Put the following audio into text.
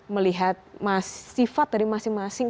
melihat sifat dari masing masing